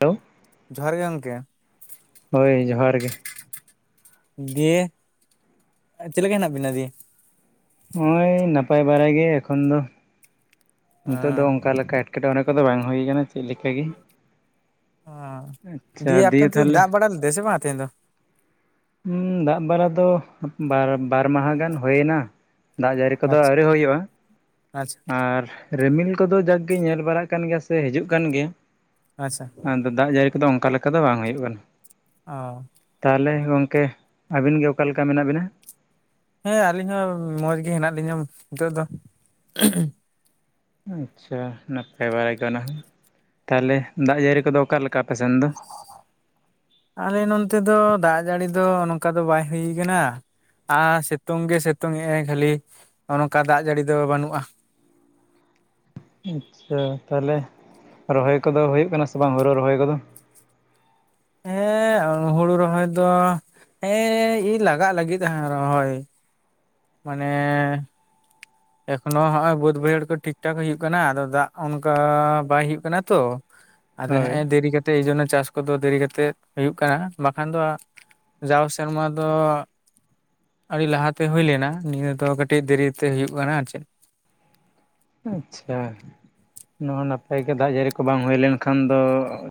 Hello, ᱡᱚᱦᱟᱨ ᱜᱮ ᱜᱚᱢᱠᱮ ᱾ ᱦᱳᱭ ᱡᱚᱦᱟᱨ ᱜᱮ ᱾ ᱫᱤᱭᱮ ᱪᱮᱫ ᱞᱮᱠᱟ ᱦᱮᱱᱟᱜ ᱵᱤᱱᱟ ᱫᱤᱭᱮ? ᱱᱚᱜᱼᱚᱭ ᱱᱟᱯᱟᱭ ᱵᱟᱲᱟᱭ ᱜᱮ ᱮᱠᱷᱚᱱ ᱫᱚ ᱚ ᱱᱤᱛᱚᱜ ᱫᱚ ᱚᱱᱠᱟ ᱞᱮᱠᱟ ᱮᱴᱠᱮ ᱮᱴᱠᱮᱴᱚᱬᱮ ᱠᱚᱫᱚ ᱵᱟᱝ ᱦᱩᱭ ᱠᱟᱱᱟ ᱪᱮᱫ ᱞᱮᱠᱟ ᱜᱮ ᱾ ᱟᱸ ᱫᱤᱭᱮ ᱟᱯᱮ ᱚᱱᱛᱮ ᱫᱚ ᱫᱟᱜ ᱵᱟᱲᱟ ᱞᱮᱫᱟᱭ ᱥᱮ ᱵᱟᱝ ᱛᱮᱦᱮᱧ ᱫᱚ? ᱦᱩᱸ ᱫᱟᱜ ᱵᱟᱲᱟ ᱫᱚ ᱵᱟᱨ ᱢᱟᱦᱟ ᱜᱟᱱ ᱦᱩᱭᱱᱟ ᱾ ᱫᱟᱜ ᱡᱟᱹᱲᱤ ᱠᱚᱫᱚ ᱟᱪᱪᱷᱟ ᱟᱹᱣᱨᱤ ᱦᱩᱭᱩᱜᱼᱟ, ᱟᱪᱪᱷᱟ ᱟᱨ ᱨᱤᱢᱤᱞ ᱠᱚᱫᱚ ᱡᱟᱠ ᱜᱮ ᱧᱮᱞ ᱵᱟᱲᱟᱜ ᱠᱟᱱ ᱜᱮᱭᱟ ᱥᱮ ᱦᱤᱡᱩᱜ ᱠᱟᱱ ᱜᱮᱭᱟ᱾ ᱟᱪᱪᱷᱟ ᱟᱫᱚ ᱫᱟᱜ ᱡᱟᱹᱲᱤ ᱠᱚᱫᱚ ᱚᱱᱠᱟ ᱞᱮᱠᱟ ᱫᱚ ᱵᱟᱝ ᱦᱩᱭᱩᱜ ᱠᱟᱱᱟ᱾ ᱚᱻ ᱛᱟᱦᱚᱞᱮ ᱜᱚᱝᱠᱮ ᱟᱹᱵᱤᱱ ᱜᱮ ᱚᱠᱟᱞᱮᱠᱟ ᱢᱮᱱᱟᱜ ᱵᱤᱱᱟ? ᱦᱮᱸ ᱟᱹᱞᱤᱧ ᱦᱚᱸ ᱢᱚᱡᱽ ᱜᱮ ᱦᱮᱱᱟᱜ ᱞᱤᱧᱟᱹ ᱱᱤᱛᱚᱜ ᱫᱚᱼᱼ ᱟᱪᱪᱷᱟ ᱱᱟᱯᱟᱭ ᱵᱟᱲᱟ ᱜᱮ ᱩᱱᱟᱦᱚ ᱛᱟᱦᱚᱞᱮ ᱫᱟᱜ ᱡᱟᱹᱲᱤ ᱠᱚᱫᱚ ᱚᱠᱟ ᱞᱮᱠᱟ ᱟᱯᱮ ᱥᱮᱱ ᱫᱚ? ᱟᱞᱮ ᱱᱚᱱᱛᱮ ᱫᱚ ᱫᱟᱜ ᱡᱟᱹᱲᱤ ᱫᱚ ᱱᱚᱝᱠᱟ ᱫᱚ ᱵᱟᱭ ᱦᱩᱭ ᱠᱟᱱᱟ᱾ ᱟᱨ ᱥᱤᱛᱩᱝ ᱜᱮ ᱥᱤᱛᱩᱝ ᱮᱜᱼᱟᱭ ᱠᱷᱟᱹᱞᱤ ᱱᱚᱜ ᱱᱚᱝᱠᱟ ᱫᱟᱜ ᱡᱟᱹᱲᱤ ᱫᱚ ᱵᱟᱹᱱᱩᱜᱼᱟ᱾ ᱟᱪᱪᱷᱟ ᱛᱟᱦᱚᱞᱮ ᱨᱚᱦᱚᱭ ᱠᱚᱫᱚ ᱦᱩᱭᱩᱜ ᱠᱟᱱᱟ ᱥᱮ ᱵᱟᱝ ᱦᱩᱲᱩ ᱨᱚᱦᱚᱭ ᱠᱚᱫᱚ? ᱦᱮᱸ ᱦᱩᱲᱩ ᱨᱚᱦᱚᱭ ᱫᱚ ᱦᱮᱸ ᱞᱟᱜᱟᱜ ᱞᱟᱹᱜᱤᱫᱼᱟ ᱨᱚᱦᱚᱭ ᱢᱟᱱᱮᱼᱼ ᱮᱠᱷᱚᱱᱚ ᱱᱚᱜᱚᱭ ᱵᱟᱹᱫ ᱵᱟᱹᱭᱦᱟᱹᱲ ᱠᱚ ᱴᱷᱤᱠ ᱴᱷᱟᱠ ᱦᱩᱭᱩᱜ ᱠᱟᱱᱟ ᱟᱫᱚ ᱫᱟᱜ ᱚᱱᱠᱟ ᱵᱟᱭ ᱦᱩᱭᱩᱜ ᱠᱟᱱᱟ ᱛᱚ᱾ ᱟᱫᱚ ᱦᱳᱭ ᱦᱮᱸ ᱫᱮᱨᱤ ᱠᱟᱛᱮᱫ ᱮᱭ ᱡᱚᱱᱱᱚ ᱪᱟᱥ ᱠᱚᱫᱚ ᱫᱮᱨᱤ ᱠᱟᱛᱮᱜ ᱦᱩᱭᱩᱜ ᱠᱟᱱᱟ᱾ ᱵᱟᱠᱷᱟᱱ ᱫᱚ, ᱡᱟᱣ ᱥᱮᱨᱢᱟ ᱫᱚᱼᱼ ᱟᱹᱰᱤ ᱞᱟᱦᱟᱛᱮ ᱦᱩᱭ ᱞᱮᱱᱟ ᱱᱤᱭᱟᱹ ᱫᱚ ᱠᱟᱹᱴᱤᱡ ᱫᱮᱨᱤᱛᱮ ᱦᱩᱭᱩᱜ ᱠᱟᱱᱟ ᱟᱨ ᱪᱮᱫᱼᱼ ᱟᱪᱪᱷᱟ᱾ ᱱᱚᱣᱟ ᱱᱟᱯᱟᱭ ᱜᱮ ᱫᱟᱜ ᱡᱟᱹᱲᱤ ᱠᱚ ᱵᱟᱝ ᱦᱩᱭ ᱞᱮᱱᱠᱷᱟᱱ ᱫᱚ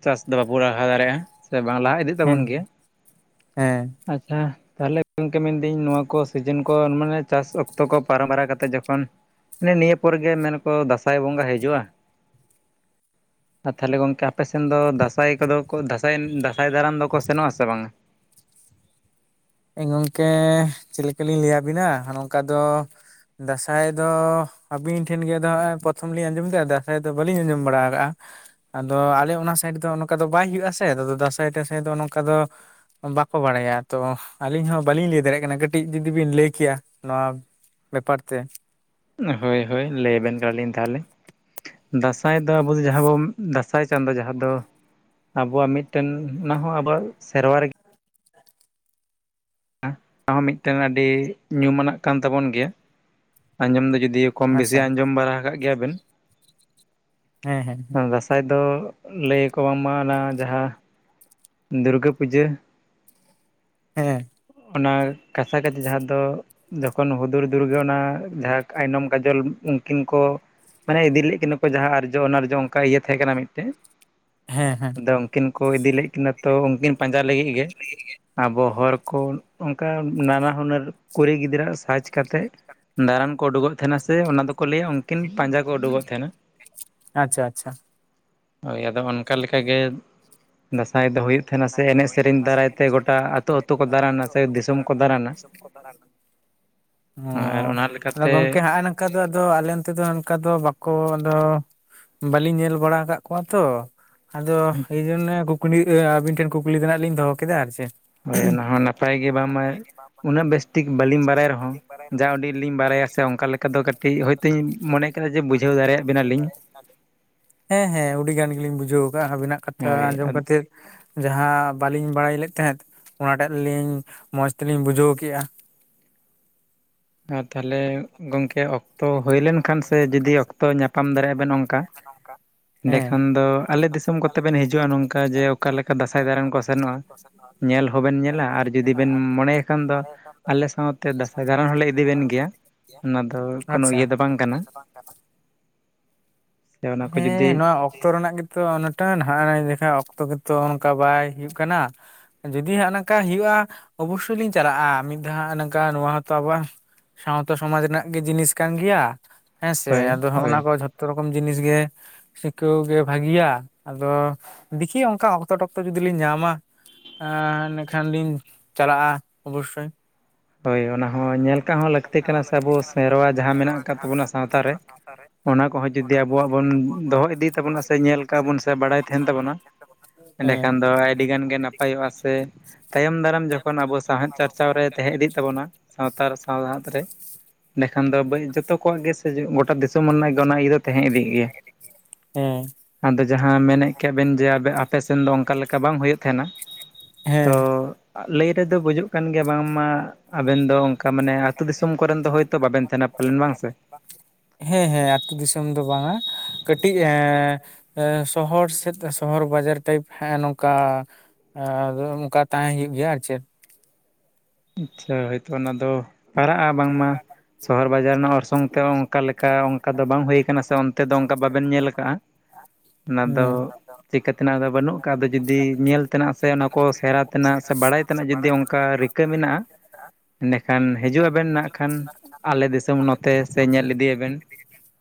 ᱪᱟᱥ ᱫᱚ ᱵᱟᱵᱚ ᱞᱟᱦᱟ ᱫᱟᱲᱮᱭᱟᱜᱼᱟ᱾ ᱥᱮ ᱵᱟᱝ ᱞᱟᱦᱟ ᱤᱫᱤᱜ ᱦᱮᱸ ᱛᱟᱵᱚᱱ ᱜᱮᱭᱟ ᱦᱮᱸ ᱟᱪᱪᱷᱟ᱾ ᱛᱟᱦᱚᱞᱮ ᱜᱚᱢᱠᱮ ᱢᱮᱱᱫᱟᱹᱧ ᱱᱚᱣᱟ ᱠᱚ ᱥᱤᱡᱤᱱ ᱠᱚ ᱢᱟᱱᱮ ᱪᱟᱥ ᱚᱠᱛᱚ ᱠᱚ ᱯᱟᱨᱚᱢ ᱵᱟᱨᱟ ᱠᱟᱛᱮᱫ ᱡᱚᱠᱷᱚᱱᱼᱼ ᱢᱟᱱᱮ ᱱᱤᱭᱟᱹ ᱯᱚᱨ ᱜᱮ ᱢᱮᱱ ᱟᱠᱚ ᱫᱟᱸᱥᱟᱭ ᱵᱚᱸᱜᱟ ᱦᱤᱡᱩᱜᱼᱟ᱾ ᱟᱨ ᱛᱟᱦᱚᱞᱮ ᱜᱚᱢᱠᱮ ᱟᱯᱮ ᱥᱮᱱ ᱫᱚ ᱫᱟᱸᱥᱟᱭ ᱠᱚᱫᱚ ᱠᱚ ᱫᱟᱥᱟᱭ ᱫᱟᱸᱥᱟᱭ ᱫᱟᱨᱟᱱ ᱫᱚᱠᱚ ᱥᱮᱱᱚᱜᱼᱟᱥᱮ ᱵᱟ ᱝᱟ? ᱜᱚᱢᱠᱮ ᱪᱮᱫ ᱞᱮᱠᱟ ᱞᱤᱧ ᱞᱟᱹᱭᱟᱵᱤᱱᱟ ᱱᱚᱝᱠᱟ ᱫᱚᱼᱼ ᱫᱟᱸᱥᱟᱭ ᱫᱚ ᱟᱹᱵᱤᱱ ᱴᱷᱮᱱ ᱜᱮᱫᱚ ᱦᱚᱸᱜ ᱚᱭ ᱯᱨᱚᱛᱷᱚᱢ ᱞᱤᱧ ᱟᱸᱡᱚᱢᱮᱫᱟ ᱫᱟᱸᱥᱟᱭ ᱫᱚ ᱵᱟᱹᱞᱤᱧ ᱟᱸᱡᱚᱢ ᱵᱟᱲᱟ ᱠᱟᱜᱼᱟ᱾ ᱟᱫᱚ ᱟᱞᱮ ᱚᱱᱟ ᱥᱟᱭᱤᱰ ᱫᱚ ᱚᱱᱠᱟ ᱫᱚ ᱵᱟᱭ ᱦᱩᱭᱩᱜᱼᱟ ᱥᱮ ᱟᱫᱚ ᱫᱟᱸᱥᱟᱭ ᱴᱟᱸᱥᱟᱭ ᱫᱚ ᱱᱚᱝᱠᱟ ᱫᱚᱼᱼ ᱵᱟᱠᱚ ᱵᱟᱲᱟᱭᱟ ᱛᱚ ᱟᱹᱞᱤᱧ ᱦᱚᱸ ᱵᱟᱹᱞᱤᱧ ᱞᱟᱹᱭ ᱫᱟᱲᱮᱭᱟᱜ ᱠᱟᱱᱟ ᱠᱟᱹᱴᱤᱡ ᱡᱩᱫᱤᱵᱤᱱ ᱞᱟᱹᱭ ᱠᱮᱭᱟ ᱱᱚᱣᱟ ᱵᱮᱯᱟᱨ ᱛᱮ? ᱦᱳᱭ ᱦᱳᱭ ᱞᱟᱹᱭ ᱟᱵᱮᱱ ᱠᱟᱱᱟᱞᱤᱧ ᱛᱟᱦᱚᱞᱮ᱾ ᱫᱟᱸᱥᱟᱭ ᱫᱚ ᱟᱵᱚ ᱫᱚ ᱡᱟᱦᱟᱸ ᱵᱚ ᱫᱟᱸᱥᱟᱭ ᱪᱟᱸᱫᱚ ᱡᱟᱦᱟᱸ ᱫᱚᱼᱼ ᱟᱵᱚᱣᱟᱜ ᱢᱤᱫᱴᱮᱱ ᱚᱱᱟ ᱦᱚᱸ ᱟᱵᱚᱣᱟᱜ ᱥᱮᱨᱣᱟ ᱨᱮᱜᱮᱼᱼ ᱚᱱᱟᱦᱚᱸ ᱢᱤᱫᱴᱮᱱ ᱟᱹᱰᱤ ᱧᱩᱢᱟᱱᱟᱜ ᱠᱟᱱ ᱛᱟᱵᱚᱱ ᱜᱮᱭᱟ ᱟᱸᱡᱚᱢ ᱫᱚ ᱡᱩᱫᱤᱭᱼᱼ ᱠᱚᱢ ᱵᱮᱥᱤ ᱟᱪᱪᱷᱟ ᱟᱸᱡᱚᱢ ᱵᱟᱲᱟ ᱟᱠᱟᱫ ᱜᱮᱭᱟ ᱵᱮᱱ᱾ ᱦᱮᱸ ᱦᱮᱸ [unintelligible] ᱫᱟᱸᱥᱟᱭ ᱫᱚ ᱞᱟᱹᱭᱟᱠᱠᱚ ᱵᱟᱝᱢᱟ ᱚᱱᱟ ᱡᱟᱦᱟᱸ ᱫᱩᱨᱜᱟᱹ ᱯᱩᱡᱟᱹᱼᱼ ᱦᱮᱸ᱾ ᱚᱱᱟ ᱠᱟᱥᱟ ᱠᱟᱪᱷᱤ ᱡᱟᱦᱟᱸ ᱫᱚᱼᱼ ᱡᱚᱠᱷᱚᱱ ᱦᱩᱫᱩᱲ ᱫᱩᱨᱜᱟᱹ ᱚᱱᱟ ᱡᱟᱦᱟᱸ ᱟᱭᱱᱚᱢ ᱠᱟᱡᱚᱞ ᱩᱱᱠᱤᱱ ᱠᱚᱼᱼ ᱢᱟᱱᱮ ᱤᱫᱤ ᱞᱮᱫ ᱠᱤᱹᱱᱟ ᱠᱚ ᱡᱟᱦᱟᱸ ᱟᱨᱡᱚ ᱚᱱᱟ ᱟᱨᱡᱚ ᱚᱱᱠᱟ ᱤᱭᱟᱹ ᱛᱟᱦᱮᱸ ᱠᱟᱱᱟ ᱢᱤᱫᱴᱮᱱ᱾ ᱦᱮᱸ ᱦᱮᱸ ᱟᱫᱚ ᱩᱱᱠᱤᱱ ᱠᱚ ᱤᱫᱤ ᱞᱮᱫ ᱠᱤᱱᱟ ᱛᱚ ᱩᱱᱠᱤᱱ ᱯᱟᱸᱡᱟ ᱞᱟᱹᱜᱤᱫ ᱜᱮ ᱟᱵᱚ ᱦᱚᱲᱼᱼ ᱚᱱᱠᱟ ᱱᱟᱱᱟ ᱦᱩᱱᱟᱹᱨ ᱠᱩᱲᱤ ᱜᱤᱫᱽᱨᱟᱹ ᱥᱟᱪ ᱠᱟᱛᱮᱫ ᱫᱟᱬᱟᱱ ᱠᱚ ᱩᱰᱩ ᱠᱚᱜᱼᱼ ᱛᱟᱦᱮᱱᱟ ᱥᱮ ᱚᱱᱟ ᱫᱚᱠᱚ ᱞᱟᱹᱭᱟ ᱩᱱᱠᱤᱱ ᱯᱟᱸᱡᱟ ᱠᱚ ᱩᱰᱩᱠᱚᱜ ᱛᱟᱸᱦᱮᱱᱟ᱾ ᱟᱪᱪᱷᱟ ᱟᱪᱪᱷᱟ ᱦᱳᱭ ᱟᱫᱚ ᱚᱱᱠᱟ ᱞᱮᱠᱟ ᱜᱮ ᱫᱟᱸᱥᱟᱭ ᱫᱚ ᱦᱩᱭᱩᱜ ᱛᱟᱸᱦᱮᱱᱟ ᱥᱮ ᱮᱱᱮᱡ ᱥᱮᱨᱮᱧ ᱫᱟᱨᱟᱭᱛᱮ ᱜᱚᱴᱟ ᱟᱹᱛᱩᱼᱼ ᱜᱚᱴᱟ ᱟᱹᱛᱩ ᱟᱹᱛᱩ ᱠᱚ ᱫᱟᱬᱟᱱᱟ, ᱫᱮᱥ ᱫᱤᱥᱚᱢ ᱠᱚ ᱫᱟᱬᱟᱱᱟ᱾ ᱟᱨ ᱚᱱᱟ ᱚᱸᱻ ᱜᱚᱝᱠᱮ ᱞᱮᱠᱟᱛᱮ ᱦᱟᱸᱜᱼᱼ ᱟᱨ ᱱᱚᱝᱠᱟ ᱫᱚ ᱟᱫᱚ ᱟᱞᱮ ᱚᱱᱛᱮ ᱫᱚ ᱚᱱᱠᱟ ᱫᱚ ᱵᱟᱠᱚ ᱟᱫᱚ ᱵᱟᱹᱞᱤᱧ ᱧᱮᱞ ᱵᱟᱲᱟ ᱟᱠᱟᱫ ᱠᱚᱣᱟ ᱛᱚ ᱾ ᱟᱫᱚ ᱮᱭ ᱡᱚᱱᱱᱮ ᱠᱩᱠᱞᱤ ᱟᱹᱵᱤᱱ ᱴᱷᱮᱱ ᱠᱩᱠᱞᱤ ᱫᱚ ᱱᱟᱦᱟᱜ ᱞᱤᱧ ᱫᱚᱦᱚ ᱠᱮᱫᱟ ᱟᱨ ᱪᱮᱫ ᱾ ᱦᱳᱭ ᱚᱱᱟ ᱦᱚᱸ ᱱᱟᱯᱟᱭ ᱜᱮ ᱵᱟᱝᱢᱟ ᱩᱱᱟᱹᱜ ᱵᱮᱥᱴᱷᱤᱠ ᱵᱟᱹᱞᱤᱧ ᱵᱟᱲᱟᱭ ᱨᱮᱦᱚᱸ ᱡᱟ ᱟᱹᱰᱤᱡᱞᱤᱧ ᱵᱟᱲᱟᱭᱟ ᱥᱮ ᱚᱱᱠᱟ ᱞᱮᱠᱟ [unintelligible] ᱠᱟᱹᱴᱤᱡ ᱦᱳᱭᱛᱚᱧ ᱢᱚᱱᱮ ᱠᱮᱫᱼᱟ ᱡᱮ ᱵᱩᱡᱷᱟᱹᱣ ᱫᱟᱲᱮᱭᱟᱫ ᱵᱮᱱᱟᱞᱤᱧ ᱾ ᱦᱮᱸ ᱦᱮᱸ ᱩᱰᱤ ᱜᱟᱱ ᱜᱮᱞᱤᱧ ᱵᱩᱡᱷᱟᱹᱣ ᱟᱠᱟᱫᱼᱟ ᱟᱹᱵᱤᱱᱟᱜ ᱠᱟᱛᱷᱟ ᱦᱳᱭ ᱟᱸᱡᱚᱢ ᱟᱨ ᱠᱟᱛᱮᱫ ᱾ ᱡᱟᱦᱟᱸ ᱵᱟᱹᱞᱤᱧ ᱵᱟᱲᱟᱭ ᱞᱮᱫ ᱛᱟᱦᱮᱸᱫ ᱚᱱᱟ ᱴᱟᱜ ᱞᱤᱧ ᱢᱚᱸᱡᱽ ᱛᱮᱞᱤᱧ ᱵᱩᱡᱷᱟᱹᱣ ᱠᱮᱫᱼᱟ᱾ ᱟᱨ ᱛᱟᱦᱚᱞᱮ ᱜᱚᱝᱠᱮ ᱚᱠ ᱛᱚ ᱦᱩᱭ ᱞᱮᱱ ᱠᱷᱟᱱ ᱥᱮ ᱡᱩᱫᱤ ᱚᱠᱛᱚ ᱧᱟᱯᱟᱢ ᱫᱟᱲᱮᱭᱟᱜᱼᱟ ᱵᱮᱱ ᱚᱱᱠᱟ ᱦᱮᱸ ᱮᱸᱰᱮᱠᱷᱟᱱ ᱫᱚ ᱟᱞᱮ ᱫᱤᱥᱚᱢ ᱠᱚᱛᱮ ᱵᱮᱱ ᱦᱤᱡᱩᱜᱼᱟ ᱱᱚᱝᱠᱟ ᱡᱮ ᱚᱠᱟ ᱞᱮᱠᱟ ᱫᱟᱸᱥᱟᱭ ᱫᱟᱬᱟᱱ ᱠᱚ ᱥᱮᱱᱚᱜᱼᱟ ᱾ ᱧᱮᱞ ᱦᱚᱸ ᱵᱮᱱ ᱧᱮᱞᱟ ᱟᱨ ᱡᱩᱫᱤ ᱵᱮᱱ ᱢᱚᱱᱮ ᱠᱷᱟᱱ ᱫᱚ ᱟᱞᱮ ᱥᱟᱶᱛᱮ ᱫᱟᱸᱥᱟᱭ ᱫᱟᱬᱟᱱ ᱦᱚᱞᱮ ᱤᱫᱤ ᱵᱤᱱ ᱜᱮᱭᱟ ᱚᱱᱟ ᱫᱚ ᱠᱳᱱᱳ ᱟᱪᱪᱷᱟ ᱤᱭᱟᱹ ᱫᱚ ᱵᱟᱝ ᱟᱨ ᱠᱟᱱᱟ ᱵᱟᱠᱤ ᱫᱚ ᱵᱟᱝ ᱜᱟᱱᱚᱜᱼᱟ ᱾ ᱥᱮ ᱚᱱᱟ [inaudible] ᱠᱚ ᱦᱮᱸᱻ ᱡᱩᱫᱤ ᱱᱚᱣᱟ ᱚᱠᱛᱚ ᱨᱮᱱᱟᱜ ᱜᱮ ᱛᱚ [unintelligible] ᱚᱠᱛᱚ ᱜᱮᱛᱚ ᱚᱱᱠᱟ ᱵᱟᱭ ᱦᱩᱭᱩᱜ ᱠᱟᱱᱟ ᱾ ᱡᱩᱫᱤ ᱦᱟᱸᱜ ᱱᱚᱝᱠᱟ ᱦᱩᱭᱩᱜᱼᱟ ᱚᱵᱚᱥᱥᱚᱭ ᱞᱤᱧ ᱪᱟᱞᱟᱜᱼᱟ, ᱢᱤᱫ ᱫᱷᱟᱣ ᱱᱚᱝᱠᱟ ᱱᱚᱣᱟ ᱦᱚᱸᱛᱚ ᱟᱵᱚᱣᱟᱜ ᱥᱟᱶᱛᱟ ᱥᱚᱢᱟᱡᱽ ᱨᱮᱱᱟᱜ ᱜᱮ ᱡᱤᱱᱤᱥ ᱠᱟᱱ ᱜᱮᱭᱟ ᱦᱮᱸᱥᱮ ᱦᱳᱭ ᱟᱫᱚ ᱦᱚᱸᱜᱼᱱᱟ ᱦᱳᱭ ᱠᱚ ᱡᱷᱚᱛ ᱡᱷᱚᱛᱚ ᱨᱚᱠᱚᱢ ᱡᱤᱱᱤᱥ ᱜᱮ ᱥᱤᱠᱟᱹᱣ ᱜᱮ ᱵᱷᱟᱹᱜᱤᱭᱟ ᱾ ᱟᱫᱚ ᱫᱤᱠᱷᱤ ᱚᱱᱠᱟ ᱚᱠᱛᱚ ᱴᱚᱠᱛᱚ ᱡᱩᱫᱤ ᱞᱤᱧ ᱧᱟᱢᱟ ᱮᱸᱻ ᱤᱱᱟ. ᱠᱷᱟᱱ ᱞᱤᱧ ᱪᱟᱞᱟᱜᱼᱟ ᱚᱵᱚᱥᱥᱳᱭ ᱾ ᱦᱳᱭ ᱚᱱᱟ ᱦᱚᱸ ᱧᱮᱞ ᱠᱟᱜ ᱦᱚᱸ ᱞᱟᱹᱠᱛᱤ ᱠᱟᱱᱟ ᱥᱮ ᱟᱵᱚ ᱥᱮᱨᱣᱟ ᱡᱟᱦᱟᱸ ᱢᱮᱱᱟᱜ ᱟᱠᱟᱫ ᱛᱟᱵᱚᱱᱟ ᱥᱟᱶᱛᱟ ᱨᱮ ᱚᱱᱟ ᱠᱚᱦᱚᱸ ᱡᱩᱫᱤ ᱟᱵᱚᱣᱟᱜ ᱵᱚᱱ ᱫᱚᱦᱚ ᱤᱫᱤ ᱛᱟᱵᱚᱱᱟ ᱥᱮ ᱧᱮᱞ ᱠᱟᱜ ᱵᱚᱱ ᱥᱮ ᱵᱟᱲᱟᱭ ᱛᱟᱸᱦᱮᱱ ᱛᱟᱵᱚᱱᱟ ᱮᱸᱰᱮᱠᱷᱟᱱ ᱦᱮᱸ ᱫᱚ ᱟᱹᱭᱰᱤ ᱜᱟᱱ ᱜᱮ ᱱᱟᱯᱟᱭᱚᱜᱼᱟ ᱥᱮ ᱛᱟᱭᱚᱢ ᱫᱟᱨᱟᱢ ᱡᱚᱠᱷᱚᱱ ᱟᱵᱚ ᱥᱟᱶᱦᱮᱫ ᱪᱟᱨᱪᱟᱣ ᱨᱮ ᱛᱟᱦᱮᱸ ᱤᱫᱤᱜ ᱛᱟᱵᱚᱱᱟ ᱥᱟᱶᱛᱟ ᱥᱟᱶᱦᱟᱛ ᱨᱮ ᱮᱸᱰᱮᱠᱷᱟᱱ ᱫᱚ [unintelligible] ᱡᱷᱚᱛᱚ ᱠᱚᱣᱟᱜ ᱜᱮ ᱥᱮ ᱜᱚᱴᱟ ᱫᱤᱥ [unintelligible] ᱚᱱᱟ ᱤᱭᱟᱹ ᱫᱚ ᱛᱟᱦᱮᱸ ᱤᱫᱤᱜ ᱜᱮᱭᱟ᱾ ᱦᱮᱸ [inaudible] ᱟᱫᱚ ᱡᱟᱦᱟᱸ ᱢᱮᱱᱮᱫ ᱠᱮᱫ ᱵᱮᱱ ᱡᱮ ᱟᱯᱮ ᱥᱮᱱ ᱫᱚ ᱚᱱᱠᱟ ᱞᱮᱠᱟ ᱵᱟᱝ ᱦᱩᱭᱩᱜ ᱛᱟᱸᱦᱮᱱᱟ᱾ ᱛᱚ ᱦᱮᱸ ᱞᱟᱹᱭ ᱨᱮᱫᱚ ᱵᱩᱡᱩᱜ ᱠᱟᱱ ᱜᱮᱭᱟ ᱵᱟᱝᱢᱟ ᱟᱵᱮᱱ ᱫᱚ ᱚᱱᱠᱟ ᱢᱟᱱᱮ ᱟᱹᱛᱩ ᱫᱤᱥᱚᱢ ᱠᱚᱨᱮᱱ ᱫᱚ ᱦᱳᱭᱛᱳ ᱵᱟᱵᱮᱱ ᱛᱟᱸᱦᱮᱱᱟ ᱯᱟᱞᱮᱱ ᱵᱟᱝ ᱥᱮ? ᱦᱮᱸ ᱦᱮᱸ ᱟᱹᱛᱩ ᱫᱤᱥᱚᱢ ᱫᱚ ᱵᱟᱝᱟ ᱾ ᱠᱟᱹᱴᱤᱡ ᱮᱸ ᱥᱚᱦᱚᱨ ᱥᱮᱫ ᱥᱚᱦᱚᱨ ᱵᱟᱡᱟᱨ ᱴᱟᱭᱤᱯ ᱦᱮᱸ ᱱᱚᱝᱠᱟ ᱾ ᱟᱫᱚ ᱚᱱᱠᱟ ᱛᱟᱦᱮᱸ ᱦᱩᱭᱩᱜ ᱜᱮᱭᱟ ᱟᱨ ᱪᱮᱫ᱾ ᱟᱪᱪᱷᱟ, ᱦᱚᱭᱛᱚ ᱚᱱᱟ ᱫᱚ ᱯᱟᱲᱟᱜᱼᱟ ᱵᱟᱝᱢᱟ, ᱥᱚᱦᱚᱨ ᱵᱟᱡᱟᱨ ᱨᱮᱱᱟᱜ ᱚᱨᱥᱚᱝ ᱛᱮ ᱚᱱᱠᱟ ᱞᱮᱠᱟ ᱚᱱᱠᱟ ᱫᱚ ᱵᱟᱝ ᱦᱩᱭ ᱠᱟᱱᱟ ᱥᱮ ᱚᱱ ᱛᱮ ᱫᱚ ᱚᱱᱠᱟ ᱵᱟᱵᱮᱱ ᱧᱮᱞ ᱟᱠᱟᱫᱼᱟ ᱾ [inaudible] ᱚᱱᱟ ᱫᱚ ᱦᱮᱸ ᱪᱤᱠᱟᱹᱛᱮᱱᱟᱜ ᱫᱚ ᱵᱟᱹᱱᱩᱜ ᱟᱠᱟᱫ ᱾ ᱟᱫᱚ ᱡᱩᱫᱤ ᱧᱮᱞ ᱛᱮᱱᱟᱜ ᱥᱮ ᱚᱱᱟ ᱠᱚ ᱥᱮᱬᱟ ᱛᱮᱱᱟᱜ ᱥᱮ ᱵᱟᱲᱟᱭ ᱛᱮᱱᱟᱜ ᱡᱩᱫᱤ ᱚᱱᱠᱟ ᱨᱤᱠᱟᱹ ᱢᱮᱱᱟᱜᱼᱟ ᱮᱸᱰᱮᱠᱷᱟᱱ ᱦᱤᱡᱩᱜ ᱟᱵᱮᱱ ᱱᱟᱜ ᱠᱷᱟᱱ ᱟᱞᱮ ᱫᱤᱥᱚᱢ ᱱᱚᱛᱮ ᱥᱮ ᱧᱮᱞ ᱤᱫᱤᱭᱟᱵᱮᱱ ᱾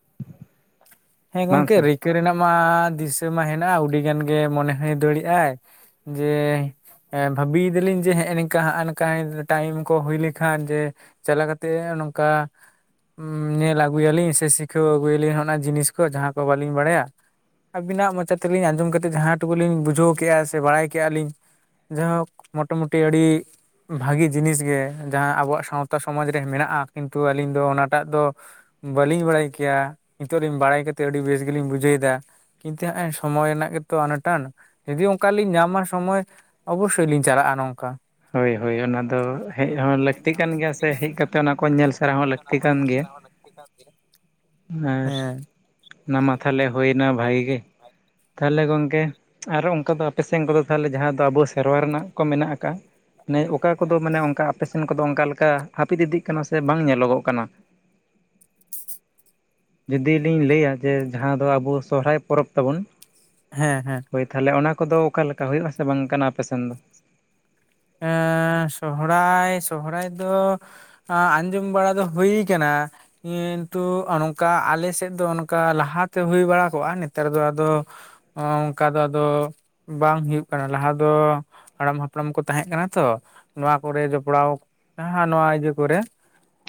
[inaudible] ᱦᱮᱸ ᱜᱚᱝᱠᱮ ᱨᱤᱠ ᱨᱤᱠᱟᱹ ᱨᱮᱱᱟᱜ ᱢᱟ ᱫᱤᱥᱟᱹ ᱢᱟ ᱦᱮᱱᱟᱜᱼᱟ᱾ ᱟᱹᱰᱤᱜᱟᱱ ᱜᱮ ᱢᱚᱱᱮ ᱦᱚᱭ ᱫᱟᱹᱲᱮᱜᱟᱭ ᱡᱮ ᱵᱷᱟᱹᱵᱤᱭ ᱮᱫᱟᱞᱤᱧ ᱡᱮ ᱦᱮᱸᱼᱮ ᱱᱚᱝᱠᱟ ᱦᱟᱜ ᱱᱚᱝᱠᱟ ᱴᱟᱭᱤᱢ ᱠᱚ ᱦᱩᱭ ᱞᱮᱠᱷᱟᱱ ᱡᱮ ᱪᱟᱞᱟᱣ ᱠᱟᱛᱮᱫ ᱱᱚᱝᱠᱟ ᱦᱩᱸ ᱧᱮᱞ ᱟᱹᱜᱩᱭᱟᱞᱤᱧ ᱥᱮ ᱥᱤᱠᱷᱟᱹᱣ ᱟᱹᱜᱩᱭᱟᱞᱤᱧ ᱚᱱᱟ ᱡᱤᱱᱤᱥ ᱠᱚ ᱡᱟᱦᱟᱸ ᱠᱚ ᱵᱟᱹᱞᱤᱧ ᱵᱟᱲᱟᱭᱟ ᱾ ᱟᱹᱵᱤᱱᱟᱜ ᱢᱚᱪᱟ ᱛᱮᱞᱤᱧ ᱟᱸᱡᱚᱢ ᱠᱟᱛᱮᱫ ᱡᱟᱦᱟᱸ ᱴᱩᱠᱩ ᱞᱤᱧ ᱵᱩᱡᱷᱟᱹᱣ ᱠᱮᱜᱼᱟ ᱥᱮ ᱵᱟᱲᱟᱭ ᱠᱮᱜᱼᱟ ᱞᱤᱧ ᱡᱟᱭᱦᱳᱠ ᱢᱚᱴᱟᱢᱩᱴᱤ ᱟᱹᱰᱤ ᱵᱷᱟᱹᱜᱤ ᱡᱤᱱᱤᱥ ᱜᱮ ᱡᱟᱦᱟᱸ ᱟᱵᱚᱣᱟᱜ ᱥᱟᱶᱛᱟ ᱥᱚᱢᱟᱡᱽ ᱨᱮ ᱢᱮᱱᱟᱜᱼᱟ ᱠᱤᱱᱛᱩ ᱟᱹᱞᱤᱧ ᱫᱚ ᱚᱱᱟᱴᱟᱜ ᱫᱚ ᱵᱟᱹᱞᱤᱧ ᱵᱟᱲᱟᱭ ᱠᱮᱭᱟ, ᱱᱤᱛᱚᱜ ᱞᱤᱧ ᱵᱟᱲᱟᱭ ᱠᱟᱛᱮᱫ ᱟᱹᱰᱤ ᱵᱮᱥ ᱜᱮᱞᱤᱧ ᱵᱩᱡᱷᱟᱹᱣ ᱮᱫᱟ ᱾ ᱠᱤᱱᱛᱩ ᱦᱟᱸᱜ ᱥᱚᱢᱚᱭ ᱨᱮᱱᱟᱜ ᱜᱮᱛᱚ ᱟᱱᱟ ᱴᱟᱱ, ᱡᱩᱫᱤ ᱚᱱᱠᱟ ᱞᱤᱧ ᱧᱟᱢᱟ ᱥᱚᱢᱚᱭ ᱚᱵᱚᱥᱥᱳᱭ ᱞᱤᱧ ᱪᱟᱞᱟᱜᱼᱟ ᱱᱚᱝᱠᱟ ᱾ ᱦᱳᱭ ᱦᱳᱭ ᱚᱱᱟ ᱫᱚ ᱦᱮᱡ ᱦᱚᱸ ᱞᱟᱹᱠᱛᱤ ᱠᱟᱱ ᱜᱮᱭᱟ ᱥᱮ ᱦᱮᱡ ᱠᱟᱛᱮᱫ ᱚᱱᱟ ᱠᱚ ᱧᱮᱞ ᱥᱮᱬᱟ ᱦᱚᱸ ᱞᱟᱹᱠᱛᱤ [unintelligible] ᱠᱟᱱ ᱧᱮᱞ ᱜᱮᱭᱟ ᱥᱟᱨᱦᱟᱣ ᱞᱟᱜᱤᱫ ᱾ [unintelligible] ᱜᱮᱭᱟ ᱾ ᱟᱨ ᱚᱱᱟ ᱢᱟ ᱛᱟᱦᱞᱮ ᱦᱩᱭᱱᱟ ᱵᱷᱟᱜᱤ ᱜᱮ ᱛᱟᱦᱞᱮ ᱜᱚᱝᱠᱮᱼᱼ ᱟᱨ ᱚᱱᱠᱟ ᱫᱚ ᱟᱯᱮ ᱥᱮᱱ ᱠᱚᱫᱚ ᱛᱟᱦᱚᱞᱮ ᱡᱟᱦᱟᱸ ᱫᱚ ᱟᱵᱚ ᱥᱮᱨᱣᱟ ᱨᱮᱱᱟᱜ ᱠᱚ ᱢᱮᱱᱟᱜ ᱟᱠᱟᱜᱼᱟ? ᱮ ᱚᱠᱟ ᱠᱚᱫᱚ ᱢᱟᱱᱮ ᱚᱱᱠᱟ ᱟᱯᱮ ᱥᱮᱱ ᱠᱚᱫᱚ ᱚᱱᱠᱟ ᱞᱮᱠᱟ, ᱦᱟᱹᱯᱤᱫ ᱤᱫᱤᱜ ᱠᱟᱱᱟ ᱥᱮ ᱵᱟᱝ ᱧᱮᱞᱚᱜᱚᱜ ᱠᱟᱱᱟ ᱾ [inaudible] ᱡᱩᱫᱤ ᱞᱤᱧ ᱞᱟᱹᱭᱟ ᱡᱮ ᱡᱟᱦᱟᱸ ᱫᱚ ᱟᱵᱚ ᱥᱚᱦᱚᱨᱟᱭ ᱯᱚᱨᱚᱵᱽ ᱛᱟᱵᱚᱱ ᱾ ᱦᱮᱸ ᱦᱮᱸ ᱾ ᱦᱳᱭ ᱛᱟᱦᱚᱞᱮ, ᱚᱱᱟ ᱠᱚᱫᱚ ᱚᱠᱟ ᱞᱮᱠᱟ ᱦᱩᱭᱩᱜ ᱟᱥᱮ ᱵᱟᱝ ᱚᱝᱠᱟᱱᱟ ᱟᱯᱮᱥᱮᱱ ᱫᱚ? ᱮᱸᱻ ᱥᱚᱦᱨᱟᱭ ᱥᱚᱦᱨᱟᱭ ᱫᱚ ᱟ ᱟᱸᱡᱚᱢ ᱵᱟᱲᱟ ᱫᱚ ᱦᱩᱭ ᱠᱟᱱᱟ ᱾ ᱠᱤᱱᱛᱩ ᱚᱱᱠᱟ ᱟᱞᱮ ᱥᱮᱫ ᱫᱚ ᱚᱱᱠᱟ ᱞᱟᱦᱟᱛᱮ ᱦᱩᱭ ᱵᱟᱲᱟ ᱠᱚᱜᱼᱟ, ᱱᱮᱛᱟᱨ ᱫᱚ ᱟᱫᱚ ᱚᱱᱠᱟ ᱫᱚ ᱟᱫᱚ ᱵᱟᱝ ᱦᱩᱭᱩᱜ ᱠᱟᱱᱟ ᱾ ᱞᱟᱦᱟ ᱫᱚ ᱦᱟᱲᱟᱢ ᱦᱟᱯᱲᱟᱢ ᱠᱚ ᱛᱟᱦᱮᱸ ᱠᱟᱱᱟ ᱛᱚ, ᱱᱚᱣᱟ ᱠᱚᱨᱮ ᱡᱚᱯᱲᱟᱣ ᱡᱟᱦᱟᱸ ᱱᱚᱣᱟ ᱤᱭᱟᱹ ᱠᱚᱨᱮᱼᱼ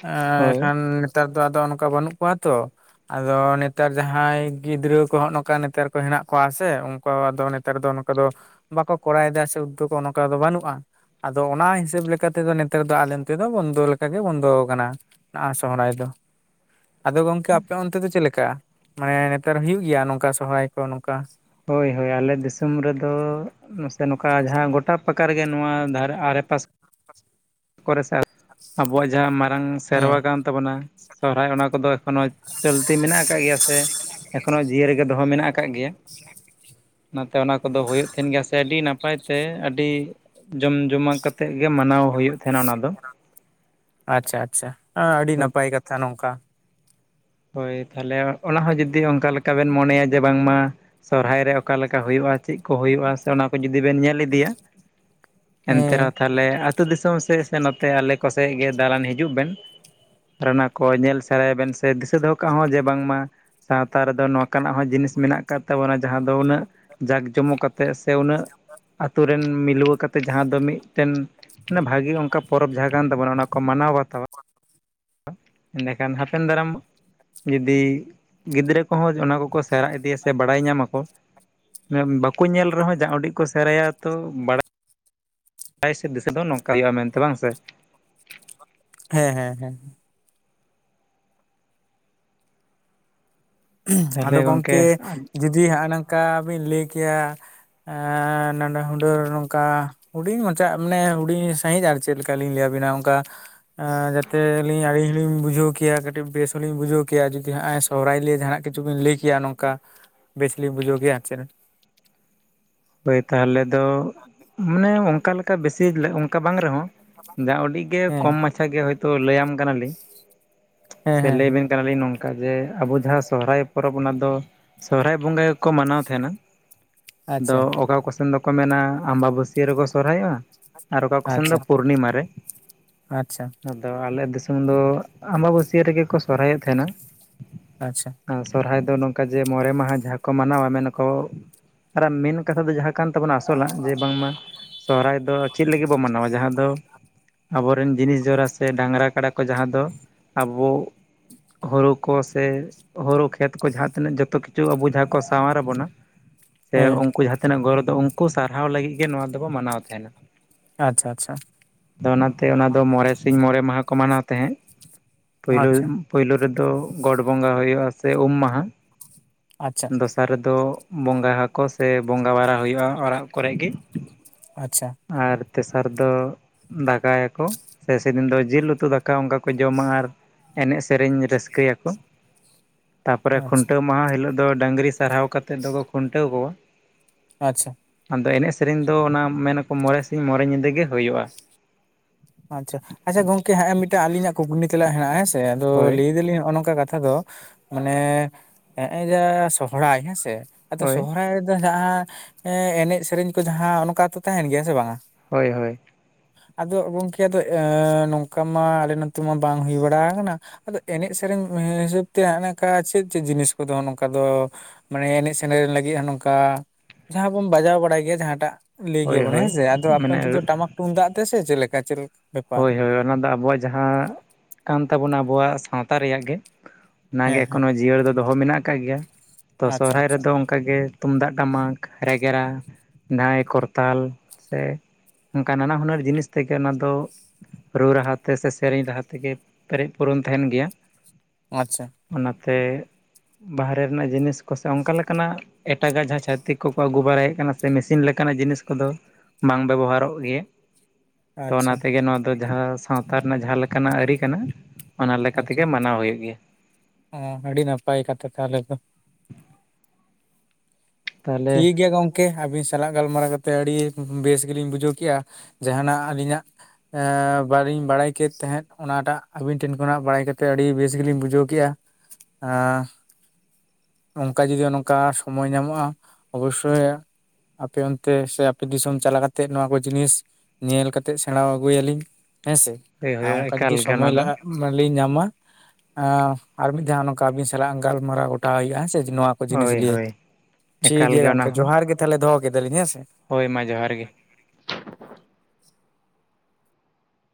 ᱮ ᱦᱳᱭ ᱮᱱᱠᱷᱟᱱ ᱱᱮᱛᱟᱨ ᱫᱚ ᱟᱫᱚ ᱚᱱᱠᱟ ᱵᱟᱹᱱᱩᱜ ᱠᱚᱣᱟ ᱛᱚ᱾ ᱟᱫᱚ ᱱᱮᱛᱟᱨ ᱡᱟᱦᱟᱸᱭ ᱜᱤᱫᱽᱨᱟᱹ ᱠᱚ ᱦᱚᱜᱼᱚ ᱱᱚᱝᱠᱟ ᱱᱮᱛᱟᱨ ᱠᱚ ᱦᱮᱱᱟᱜ ᱠᱚᱣᱟ ᱥᱮ ᱩᱱᱠᱩ ᱟᱫᱚᱼᱼ ᱱᱮᱛᱟᱨ ᱫᱚ ᱚᱱᱠᱟ ᱫᱚ ᱵᱟᱠᱚ ᱠᱚᱨᱟᱣ ᱮᱫᱟ ᱥᱮ, ᱩᱫᱽᱫᱳᱜᱽ ᱚᱱᱠᱟ ᱫᱚ ᱵᱟᱹᱱᱩᱜ ᱠᱚᱣᱟ, ᱟᱫᱚ ᱚᱱᱟ ᱦᱤᱥᱟᱹᱵ ᱞᱮᱠᱟ ᱛᱮᱫᱚ ᱱᱮᱛᱟᱨ ᱫᱚ ᱟᱞᱮ ᱚᱱᱛᱮ ᱫᱚ ᱵᱚᱱᱫᱚ ᱞᱮᱠᱟᱜᱮ ᱵᱚᱱᱫᱚ ᱟᱠᱟᱱᱟ ᱾ ᱱᱟᱜ ᱥᱚᱦᱚᱨᱟᱭ ᱫᱚ ᱾ ᱟᱫᱚ ᱜᱚᱝᱠᱮ ᱟᱯᱮ ᱚᱱᱛᱮ ᱫᱚ ᱪᱮᱫ ᱞᱮᱠᱟ, ᱢᱟᱱᱮ ᱱᱮᱛᱟᱨ ᱦᱩᱭᱩᱜ ᱜᱮᱭᱟ ᱱᱚᱝᱠᱟ ᱥᱚᱦᱚᱨᱟᱭ ᱠᱚ ᱱᱚᱝᱠᱟ? ᱦᱚᱭ ᱦᱚᱭ ᱟᱞᱮ ᱫᱤᱥᱚᱢ ᱨᱮᱫᱚ ᱢᱟᱥᱮ ᱱᱚᱝᱠᱟ ᱡᱟᱦᱟᱸ ᱜᱚᱴᱟ ᱯᱟᱠᱟ ᱨᱮᱜᱮ ᱱᱚᱣᱟ ᱫᱷᱟᱨ ᱟᱲᱮ ᱯᱟᱥᱮ ᱠᱚᱨᱮ ᱥᱮ, ᱟᱵᱚᱣᱟᱜ ᱡᱟᱦᱟᱸ ᱦᱩᱸ ᱦᱮᱸ ᱥᱮᱨᱣᱟ ᱠᱟᱱ ᱛᱟᱵᱚᱱᱟ, ᱥᱚᱦᱨᱟᱭ ᱚᱱᱟ ᱠᱚᱫᱚ ᱮᱠᱷᱚᱱᱳ ᱪᱚᱞᱛᱤ ᱢᱮᱱᱟᱜ ᱟᱠᱟᱫ ᱜᱮᱭᱟ ᱥᱮ ᱾ ᱮᱠᱷᱚᱱᱳ ᱡᱤᱭᱟᱹᱲ ᱜᱮ ᱫᱚᱦᱚ ᱢᱮᱱᱟᱜ ᱟᱠᱟᱜ ᱜᱮᱭᱟ ᱾ ᱚᱱᱟᱛᱮ ᱚᱱᱟ ᱠᱚᱫᱚ ᱦᱩᱭᱩᱜ ᱛᱟᱦᱮᱱ ᱜᱮᱭᱟ ᱥᱮ ᱟᱹᱰᱤ ᱱᱟᱯᱟᱭ ᱛᱮ ᱟᱹᱰᱤ ᱡᱚᱢ ᱡᱚᱢᱟᱣ ᱠᱟᱛᱮᱜ ᱜᱮ ᱢᱟᱱᱟᱣ ᱦᱩᱭᱩᱜ ᱛᱟᱦᱮᱱᱟ ᱚᱱᱟ ᱫᱚ [inaudible] ᱟᱪᱪᱷᱟ ᱟᱪᱪᱷᱟ, ᱟᱹᱰᱤ ᱱᱟᱯᱟᱭ ᱠᱟᱛᱷᱟ ᱱᱚᱝᱠᱟ ᱾ ᱦᱚᱭ ᱛᱟᱦᱚᱞᱮ ᱚᱱᱟ ᱦᱚᱸ ᱡᱩᱫᱤ ᱚᱱᱠᱟ ᱞᱮᱠᱟ ᱵᱮᱱ ᱢᱚᱱᱮᱭᱟ ᱡᱮ ᱵᱟᱝᱢᱟ ᱥᱚᱨᱦᱟᱭ ᱨᱮ ᱚᱠᱟᱞᱮᱠᱟ ᱦᱩᱭᱩᱜᱼᱟ ᱪᱮᱫ ᱠᱚ ᱦᱩᱭᱩᱜᱼᱟ, ᱥᱮ ᱚᱱᱟ ᱠᱚ ᱡᱩᱫᱤ ᱵᱮᱱ ᱧᱮᱞ ᱤᱫᱤᱭᱟ ᱮᱱᱛᱮ ᱨᱮᱦᱚ ᱦᱮᱸ ᱛᱟᱦᱚᱞᱮ ᱟᱹᱛᱩ ᱫᱤᱥᱚᱢ ᱥᱮᱫ ᱥᱮ ᱱᱚᱛᱮ ᱟᱞᱮ ᱠᱚᱥᱮ ᱜᱮ ᱫᱟᱬᱟᱱ ᱦᱤᱡᱩᱜ ᱵᱮᱱ ᱾ ᱨᱮᱱᱟᱜ ᱠᱚ ᱧᱮᱞ ᱥᱮᱨᱟᱭ ᱵᱮᱱ ᱥᱮ ᱫᱤᱥᱟᱹ ᱫᱚᱦᱚ ᱠᱟᱜ ᱦᱚ ᱡᱮ ᱵᱟᱝ ᱢᱟᱼᱼ ᱥᱟᱶᱛᱟ ᱨᱮᱫᱚ ᱱᱚᱝᱠᱟ ᱱᱟᱜ ᱦᱚᱸ ᱡᱤᱱᱤᱥ ᱢᱮᱱᱟᱜ ᱟᱠᱟᱫ ᱛᱟᱵᱚᱱᱟ ᱡᱟᱦᱟ ᱫᱚ ᱩᱱᱟᱹᱜ ᱡᱟᱠ ᱡᱚᱢᱚᱠ ᱟᱛᱼᱼ ᱛᱮᱫ ᱥᱮ ᱩᱱᱟᱹᱜ ᱟᱛᱩ ᱨᱮᱱ ᱢᱤᱞᱳᱣᱟᱹ ᱠᱟᱛᱮᱫ ᱡᱟᱦᱟ ᱫᱚ ᱢᱤᱫᱴᱮᱱᱼᱼ ᱵᱷᱟᱜᱮᱸ ᱚᱱᱠᱟ ᱯᱚᱨᱚᱵᱽ ᱡᱟᱦᱟ ᱠᱟᱱ ᱛᱟᱵᱚᱱᱟ ᱚᱱᱟ ᱠᱚ ᱢᱟᱱᱟᱣ ᱵᱟᱛᱟᱣᱟ ᱾ ᱮᱠᱷᱟᱱ ᱦᱟᱯᱮᱱ ᱫᱟᱨᱟᱢᱼᱼ ᱡᱩᱫᱤ ᱜᱤᱫᱽᱨᱟᱹ ᱠᱚᱦᱚᱸ ᱚᱱᱟ ᱠᱚᱠᱚ ᱥᱮᱬᱟ ᱤᱫᱤᱭᱟ ᱥᱮ ᱵᱟᱲᱟᱭ ᱧᱟᱢᱟ ᱠᱚᱼᱼ ᱵᱟᱠᱚ ᱧᱮᱞ ᱨᱮᱦᱚᱸ ᱡᱟ ᱩᱰᱤᱪ ᱠᱚ ᱥᱮᱬᱟᱭᱟ ᱛᱚ ᱵᱟᱲᱟᱼᱼ ᱟᱭ ᱥᱮᱫ ᱫᱤᱥᱟᱹ ᱫᱚ ᱱᱚᱝᱠᱟ ᱦᱩᱭᱩᱜᱼᱟ ᱢᱮᱱ ᱛᱮ ᱵᱟᱝ ᱥᱮ ᱾ ᱦᱮᱸ ᱦᱮᱸ ᱦᱮᱸ ᱾ ᱟᱫᱚ ᱛᱟᱦᱚᱞᱮ ᱜᱚᱢᱠᱮ ᱜᱚᱝᱠᱮ ᱡᱩᱫᱤ ᱦᱟᱜ ᱱᱟᱝᱠᱟ ᱵᱤᱱ ᱞᱟᱹᱭ ᱠᱮᱭᱟᱼᱼ ᱮᱻ ᱱᱟᱱᱟ ᱦᱩᱱᱟᱹᱨ ᱱᱚᱝᱠᱟ ᱾ ᱦᱩᱰᱤᱧ ᱢᱟᱪᱟ ᱢᱟᱱᱮ ᱦᱩᱰᱤᱧ ᱥᱟᱺᱦᱤᱡ ᱟᱨ ᱪᱮᱫ ᱞᱮᱠᱟ ᱞᱤᱧ ᱞᱟᱹᱭ ᱟᱵᱤᱱᱟ ᱚᱝᱠᱟ ᱮᱸᱻ ᱡᱟᱛᱮ ᱟᱞᱤᱧ ᱦᱚᱞᱤᱧ ᱵᱩᱡᱷᱟᱹᱣ ᱠᱮᱭᱟ, ᱠᱟᱹᱴᱤᱡ ᱵᱮᱥ ᱦᱚᱞᱤᱧ ᱵᱩᱡᱷᱟᱹᱣ ᱠᱮᱭᱟ ᱡᱩᱫᱤ ᱦᱟᱸᱜ-ᱟᱭ ᱥᱚᱦᱨᱟᱭ ᱞᱤᱭᱮ ᱡᱟᱸᱦᱟᱱᱟᱜ ᱠᱤᱪᱷᱩ ᱵᱤᱱ ᱞᱟᱹᱭ ᱠᱮᱫᱟ ᱱᱚᱝ ᱠᱟ ᱵᱮᱥ ᱞᱤᱧ ᱵᱩᱡᱷᱟᱹᱣ ᱠᱮᱭᱟ ᱟᱨ ᱪᱮᱫ ᱦᱳᱭ ᱛᱟᱦᱞᱮ ᱫᱚ ᱢᱟᱱᱮ ᱚᱱᱠᱟ ᱞᱮᱠᱟ ᱵᱮᱥᱤ ᱚᱱᱠᱟ ᱵᱟᱝ ᱨᱮᱦᱚᱸ᱾ ᱡᱟ ᱩᱰᱤᱩᱡ ᱜᱮ ᱦᱮᱸ ᱠᱚᱢ ᱢᱟᱪᱷᱟ ᱜᱮ ᱦᱚᱭᱛᱳ ᱞᱟᱹᱭᱟᱢ ᱠᱟᱱᱟ ᱞᱤᱧ ᱦᱮᱸ ᱥᱮ ᱦᱮᱸ ᱞᱟᱹᱭ ᱦᱮᱸ ᱵᱤᱱ᱾ ᱠᱟᱱᱟ ᱞᱤᱧ ᱱᱚᱝᱠᱟ ᱡᱮ ᱟᱵᱚ ᱡᱟᱦᱟ ᱥᱚᱦᱨᱟᱭ ᱯᱚᱨᱚᱵᱽ ᱚᱱᱟ ᱫᱚ ᱥᱚᱦᱨᱟᱭ ᱵᱚᱸᱜᱟ ᱜᱮᱠᱚ ᱢᱟᱱᱟᱣ ᱛᱟᱸᱦᱮᱱᱟ᱾ ᱫᱚ ᱟᱪᱪᱷᱟ ᱚᱠᱟ ᱠᱚᱥᱮᱫ ᱫᱚᱠᱚ ᱢᱮᱱᱟ ᱟᱢᱵᱟ-ᱵᱟᱹᱥᱭᱟᱹ ᱨᱮᱠᱚ ᱥᱚᱦᱨᱟᱭᱚᱜ-ᱟ᱾ ᱟᱨ ᱚᱠᱟ ᱠᱚ ᱥᱮᱱ ᱫᱚ ᱟᱪᱪᱷᱟ ᱯᱩᱨᱱᱤᱢᱟ ᱨᱮ᱾ ᱟᱪᱪᱷᱟ ᱫᱚ, ᱟᱞᱮ ᱫᱤᱥᱚᱢ ᱫᱚ ᱟᱸᱵᱟ-ᱵᱟᱹᱥᱭᱟᱹ ᱨᱮᱜᱮ ᱠᱚ ᱥᱚᱦᱨᱟᱭᱚᱜ ᱛᱟᱸᱦᱮᱱᱟ᱾ ᱟᱪᱪᱷᱟ᱾ ᱟᱨ ᱥᱚᱨᱦᱟᱭ ᱫᱚ ᱱᱚᱝᱠᱟ ᱡᱮ ᱢᱚᱬᱮᱸ ᱢᱟᱦᱟ ᱡᱟᱦᱟᱸ ᱠᱚ ᱢᱟᱱᱟᱣᱟ ᱢᱮᱱᱟ ᱠᱚ ᱟᱨ ᱢᱮᱱ ᱠᱟᱛᱷᱟ ᱫᱚ ᱡᱟᱦᱟᱸ ᱠᱟᱱ ᱛᱟᱵᱚᱱᱟ ᱟᱥᱚᱞᱟᱜ ᱡᱮ ᱵᱟᱝᱢᱟ ᱥᱚᱦᱨᱟᱭ ᱫᱚ ᱪᱮᱫ ᱞᱟᱹᱜᱤᱫ ᱵᱚ ᱢᱟᱱᱟᱣᱟ ᱡᱟᱦᱟᱸ ᱫᱚ ᱟᱵᱚᱨᱮᱱ ᱡᱤᱱᱤᱥ ᱡᱚᱲᱟ ᱥᱮ ᱰᱟᱝᱜᱽᱨᱟ ᱠᱟᱰᱟ ᱠᱚ ᱡᱟᱦᱟᱸ ᱫᱚ ᱟᱵᱚ ᱦᱩᱲᱩ ᱠᱚ ᱥᱮ ᱦᱩᱲᱩ ᱠᱷᱮᱛ ᱠᱚ ᱡᱟᱦᱟᱸ ᱛᱤᱱᱟᱹᱜ ᱡᱚᱛᱚ ᱠᱤᱪᱷᱩ ᱟᱵᱚ ᱡᱟᱦᱟᱸ ᱠᱚ ᱥᱟᱶᱟᱨ ᱟᱵᱚᱱᱟ᱾ ᱥᱮ ᱦᱮᱸ ᱩᱱᱠᱩ ᱡᱟᱦᱟᱸ ᱛᱤᱱᱟᱹᱜ ᱜᱚᱨᱚᱵᱽ ᱫᱚ ᱩᱱᱠᱩ ᱥᱟᱨᱦᱟᱣ ᱞᱟᱹᱜᱤᱫ ᱜᱮ ᱱᱚᱣᱟ ᱫᱚᱵᱚ ᱢᱟᱱᱟᱣ ᱛᱟᱸᱦᱮᱱᱟ᱾ ᱟᱪᱪᱷᱟ ᱟᱪᱪᱷᱟ᱾ ᱟᱫᱚ ᱚᱱᱟᱛᱮ ᱚᱱᱟ ᱫᱚ ᱢᱚᱬᱮ ᱥᱤᱧ ᱢᱚᱬᱮ ᱢᱟᱦᱟ ᱠᱚ ᱢᱟᱱᱟᱣ ᱛᱟᱦᱮᱸᱫ, ᱯᱳᱭᱞᱳ ᱟᱪᱪᱷᱟ ᱯᱳᱭᱞᱳ ᱨᱮᱫᱚ ᱜᱚᱰ ᱵᱚᱸᱜᱟ ᱦᱩᱭᱩᱜ-ᱟ ᱥᱮ ᱩᱢ ᱢᱟᱦᱟᱸ, ᱟᱪᱪᱷᱟ ᱫᱚᱥᱟᱨ ᱨᱮᱫᱚ ᱵᱚᱸᱜᱟ ᱦᱟᱠᱚ ᱥᱮ ᱵᱚᱸᱜᱟ ᱵᱟᱲᱟ ᱦᱩᱭᱩᱜ-ᱟ ᱚᱲᱟᱜ ᱠᱚᱨᱮᱜ ᱜᱮ᱾ ᱟᱪᱪᱷᱟ᱾ ᱟᱨ ᱛᱮᱥᱟᱨ ᱫᱚ ᱫᱟᱠᱟᱭᱟᱠᱚ ᱥᱮ ᱥᱮᱫᱤᱱ ᱫᱚ ᱡᱤᱞ ᱩᱛᱩ ᱫᱟᱠᱟ ᱚᱱᱠᱟ ᱠᱚ ᱡᱚᱢᱟ ᱟᱨ ᱮᱱᱮᱡ ᱥᱮᱨᱮᱧ ᱨᱟᱹᱥᱠᱟᱹᱭ ᱟᱠᱚ᱾ ᱛᱟᱨᱯᱚᱨᱮ ᱟᱪᱪᱷᱟ ᱠᱷᱩᱱᱴᱟᱹᱣ ᱢᱟᱦᱟ ᱦᱤᱞᱳᱜ ᱫᱚ ᱰᱟᱹᱝᱨᱤ ᱥᱟᱨᱦᱟᱣ ᱠᱟᱛᱮᱫ ᱫᱚᱠᱚ ᱠᱷᱩᱱᱴᱟᱹᱣ ᱠᱚᱣᱟ᱾ ᱟᱪᱪᱷᱟ᱾ ᱟᱫᱚ ᱮᱱᱮᱡ ᱥᱮᱨᱮᱧ ᱫᱚ ᱚᱱᱟ ᱢᱮᱱᱟᱠᱚ ᱢᱚᱬᱮ ᱥᱤᱧ ᱢᱚᱬᱮ ᱧᱤᱫᱟᱹ ᱜᱮ ᱦᱩᱭᱩᱜ-ᱟ᱾ ᱟᱪᱪᱷᱟ, ᱟᱪᱪᱷᱟ ᱜᱚᱝᱠᱮ ᱦᱚᱸᱜ-ᱚ ᱢᱤᱫᱴᱟᱝ ᱟᱞᱤᱧᱟᱜ ᱠᱩᱠᱞᱤ ᱛᱮᱞᱟ ᱦᱮᱱᱟᱜ-ᱟ ᱦᱮᱸᱥᱮ ᱟᱫᱚ ᱦᱳᱭ ᱞᱟᱹᱭ ᱫᱟᱹᱞᱤᱧ ᱦᱚᱸᱜ-ᱚ ᱱᱚᱝᱠᱟ ᱠᱟᱛᱷᱟ ᱫᱚ᱾ ᱢᱟᱱᱮ ᱱᱮᱜ-ᱮ ᱡᱮ ᱥᱚᱦᱨᱟᱭ ᱦᱮᱸᱥᱮ, ᱟᱪᱪᱷᱟ ᱦᱳᱭ ᱥᱚᱦᱨᱟᱭ ᱨᱮ ᱡᱟᱦᱟᱸ ᱮᱸ, ᱮᱱᱮᱡ ᱥᱮᱨᱮᱧ ᱠᱚ ᱡᱟᱦᱟᱸ ᱚᱱᱠᱟᱛᱚ ᱛᱟᱸᱦᱮᱱ ᱜᱮᱭᱟ ᱥᱮ ᱵᱟᱝᱟ? ᱦᱳᱭ ᱦᱳᱭ᱾ ᱟᱫᱚ ᱜᱚᱝᱠᱮ ᱟᱫᱚ ᱱᱚᱝᱠᱟ ᱢᱟ ᱟᱞᱮ ᱱᱚᱛᱮ ᱢᱟ ᱵᱟᱝ ᱦᱩᱭ ᱵᱟᱲᱟ ᱠᱟᱱᱟ᱾ ᱟᱫᱚ ᱮᱱᱮᱡ ᱥᱮᱨᱮᱧ ᱦᱤᱥᱟᱹᱵᱽ ᱛᱮ ᱚᱱᱮ ᱚᱝᱠᱟ ᱪᱮᱫ ᱪᱮᱫ ᱡᱤᱱᱤᱥ ᱠᱚᱫᱚ ᱱᱚᱝᱠᱟ ᱫᱚ? ᱢᱟᱱᱮ ᱮᱱᱮᱡ ᱥᱮᱨᱮᱧ ᱞᱟᱹᱜᱤᱫ ᱦᱚᱸ ᱱᱚᱝᱠᱟ ᱡᱟᱦᱟᱸ ᱵᱚᱱ ᱵᱟᱡᱟᱣ ᱵᱟᱲᱟᱭ ᱜᱮᱭᱟ ᱡᱟᱦᱟᱸᱴᱟᱜ᱾ ᱞᱟᱹᱭ ᱜᱮᱭᱟ ᱦᱳᱭ ᱵᱚᱱ ᱦᱳᱭ ᱦᱮᱸᱥᱮ ᱟᱫᱚ ᱟᱯᱮ ᱢᱟᱱᱮ ᱚᱱᱛᱮ ᱫᱚ ᱴᱟᱢᱟᱠ ᱛᱩᱢᱫᱟᱜ ᱛᱮ ᱥᱮ ᱪᱮᱫ ᱞᱮᱠᱟ ᱪᱮᱫ ᱞᱮ ᱦᱳᱭ ᱦᱳᱭ ᱚᱱᱟ ᱫᱚ ᱟᱵᱚᱣᱟᱜ ᱡᱟᱦᱟᱸ ᱠᱟᱱ ᱛᱟᱵᱚᱱᱟ ᱟᱵᱚᱣᱟᱜ ᱥᱟᱶᱛᱟ ᱨᱮᱭᱟᱜ ᱜᱮ᱾ ᱚᱱᱟᱜᱮ ᱦᱮᱸ ᱦᱮᱸ ᱮᱠᱷᱚᱱ ᱦᱚᱸ ᱡᱤᱭᱟᱹᱲ ᱫᱚ ᱫᱚᱦᱚ ᱢᱮᱱᱟᱜ ᱟᱠᱟᱜ ᱜᱮᱭᱟ ᱛᱚ ᱟᱪᱪᱷᱟ ᱥᱚᱦᱨᱟᱭ ᱟᱪᱪᱷᱟ ᱨᱮᱫᱚ ᱚᱱᱠᱟ ᱜᱮ ᱛᱩᱢᱫᱟᱜ, ᱴᱟᱢᱟᱠ, ᱨᱮᱜᱽᱲᱟ, ᱫᱷᱟᱭ, ᱠᱚᱨᱛᱟᱞ ᱥᱮ ᱚᱱᱠᱟ ᱱᱟᱱᱟ ᱦᱩᱱᱟᱹᱨ ᱡᱤᱱᱤᱥ ᱛᱮᱜᱮ ᱚᱱᱟ ᱫᱚ᱾ ᱨᱩ ᱨᱟᱦᱟ ᱛᱮ ᱥᱮ ᱥᱮᱨᱮᱧ ᱨᱟᱦᱟ ᱛᱮᱜᱮ ᱯᱮᱨᱮᱡ ᱯᱩᱨᱚᱱ ᱛᱟᱸᱦᱮᱱ ᱜᱮᱭᱟ᱾ ᱟᱪᱪᱷᱟ᱾ ᱚᱱᱟᱛᱮ ᱵᱟᱦᱨᱮ ᱨᱮᱱᱟᱜ ᱡᱤᱱᱤᱥ ᱠᱚ ᱥᱮ ᱚᱱᱠᱟ ᱞᱮᱠᱟᱱᱟᱜ᱾ ᱮᱴᱟᱜᱟᱜ ᱡᱟᱦᱟᱸ ᱪᱷᱟᱹᱛᱤᱠ ᱠᱚᱠᱚ ᱟᱹᱜᱩ ᱵᱟᱲᱟᱭᱮᱫ ᱠᱟᱱᱟ ᱥᱮ ᱢᱮᱥᱤᱱ ᱞᱮᱠᱟᱱᱟᱜ ᱡᱤᱱᱤᱥ ᱠᱚᱫᱚ᱾ ᱵᱟᱝ ᱵᱮᱵᱚᱦᱟᱨᱚᱜ ᱜᱮᱭᱟ᱾ ᱛᱚ, ᱟᱪᱪᱷᱟ ᱚᱱᱟᱛᱮ ᱜᱮ ᱱᱚᱣᱟ ᱫᱚ ᱡᱟᱦᱟᱸ ᱥᱟᱶᱛᱟ ᱨᱮᱱᱟᱜ ᱡᱟᱦᱟᱸ ᱞᱮᱠᱟᱱᱟᱜ ᱟᱹᱨᱤ ᱠᱟᱱᱟ ᱚᱱᱟ ᱞᱮᱠᱟᱛᱮ ᱟᱪᱪᱷᱟ ᱜᱮ ᱢᱟᱱᱟᱣ ᱦᱩᱭᱩᱜ ᱜᱮᱭᱟ᱾ ᱚ, ᱟᱹᱰᱤ ᱱᱟᱯᱟᱭ ᱠᱟᱛᱷᱟ ᱛᱟᱦᱚᱞᱮ ᱫᱚ᱾ ᱛᱟᱦᱚᱞᱮ ᱴᱷᱤᱠ ᱜᱮᱭᱟ ᱜᱚᱝ ᱠᱮ ᱟᱹᱵᱤᱱ ᱥᱟᱞᱟᱜ ᱜᱟᱞᱢᱟᱨᱟᱣ ᱠᱟᱛᱮ ᱟᱹᱰᱤ ᱵᱮᱥ ᱜᱮᱞᱤᱧ ᱵᱩᱡᱷᱟᱹᱣ ᱠᱮᱜᱼᱟ᱾ ᱡᱟᱦᱟᱸᱱᱟᱜ ᱟᱹᱞᱤᱧᱟᱜ ᱮ ᱵᱟᱹᱞᱤᱧ ᱵᱟᱲᱟᱭ ᱠᱮᱫ ᱛᱟᱦᱮᱸᱫ, ᱚᱱᱟᱴᱟᱜ ᱟᱹᱵᱤᱱ ᱴᱷᱮᱱ ᱠᱷᱚᱱᱟᱜ ᱵᱟᱲᱟᱭ ᱠᱟᱛᱮ ᱟᱹᱰᱤ ᱵᱮᱥ ᱜᱮᱞᱤᱧ ᱵᱩᱡᱷᱟᱹᱣ ᱠᱮᱜᱼᱟ᱾ ᱚᱱᱠᱟ ᱡᱩᱫᱤ ᱱᱚᱝᱠᱟ ᱥᱚᱢᱚᱭ ᱧᱟᱢᱚᱜᱼᱟ, ᱚᱵᱚᱥᱥᱳᱭ, ᱟᱯᱮ ᱚᱱᱛᱮ ᱥᱮ ᱟᱯᱮ ᱫᱤᱥᱚᱢ ᱪᱟᱞᱟᱣ ᱠᱟᱛᱮ ᱱᱚᱣᱟ ᱠᱚ ᱡᱤᱱᱤᱥ ᱧᱮᱞ ᱠᱟᱛᱮᱜ ᱥᱮᱬᱟ ᱟᱹᱜᱩᱭᱟ ᱞᱤᱧ ᱾ ᱦᱮᱸᱥᱮ? ᱦᱳᱭ ᱟᱨ ᱦᱳᱭ ᱚᱱᱠᱟ ᱮᱠᱟᱞ ᱡᱩᱫᱤ ᱜᱮ ᱚᱱᱟ ᱥᱚᱢᱚᱭ ᱫᱚ ᱞᱟᱜᱟᱜᱼᱟ ᱟᱞᱤᱧ ᱧᱟᱢᱟ ᱟᱨ ᱢᱤᱫ ᱫᱷᱟᱹᱣ ᱱᱚᱝᱠᱟ ᱟᱹᱵᱤᱱ ᱥᱟᱞᱟᱜ ᱜᱟᱞᱢᱟᱨᱟᱣ ᱜᱚᱴᱟᱣ ᱦᱩᱭᱩᱜᱼᱟ ᱥᱮ ᱱᱚᱣᱟ᱾ ᱠᱚ ᱡᱤᱱᱤᱥ ᱦᱳᱭ ᱱᱤᱭᱮ ᱦᱳᱭ, ᱴᱷᱤᱠ ᱮᱠᱟᱞ ᱜᱮᱭᱟ ᱜᱮ ᱚᱱᱟ ᱜᱚᱝᱠᱮ, ᱦᱚᱸ ᱡᱚᱦᱟᱨ ᱜᱮ ᱛᱟᱦᱚᱞᱮ ᱫᱚᱦᱚ ᱠᱮᱫᱟᱞᱤᱧ ᱦᱮᱸ ᱥᱮ? ᱦᱳᱭ ᱢᱟ ᱡᱚᱦᱟᱨ ᱜᱮ᱾